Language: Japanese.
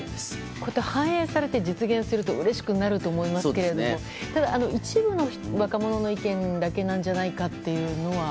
こうやって反映されて実現されるとうれしくなると思いますけどただ、一部の若者の意見だけなんじゃないかというのは。